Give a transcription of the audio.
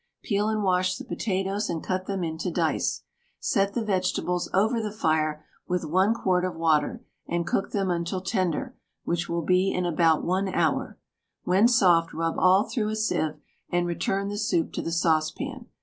Peel and wash the potatoes and cut them into dice. Set the vegetables over the fire with 1 quart of water, and cook them until tender, which will be in about 1 hour. When soft rub all through a sieve and return the soup to the saucepan.